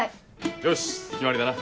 よし決まりだな。